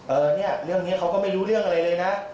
เออเนี่ยเรื่องนี้เขาก็ไม่รู้เรื่องอะไรเลยนะ